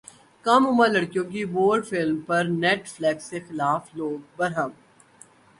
کم عمر لڑکی کی بولڈ فلم پر نیٹ فلیکس کے خلاف لوگ برہم